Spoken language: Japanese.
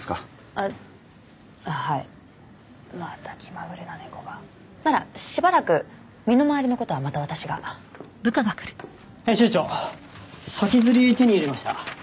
あっはいまた気まぐれな猫がならしばらく身の回りのことはまた私が編集長先刷り手に入れました